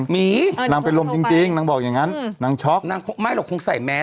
หมีนางเป็นลมจริงนางบอกอย่างนั้นนางช็อกนางคงไม่หรอกคงใส่แมส